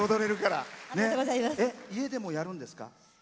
家でもやるんですか？